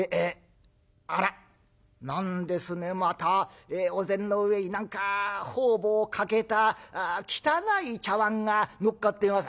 あら何ですねまたお膳の上に何か方々欠けた汚い茶碗がのっかってます」。